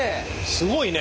すごいね！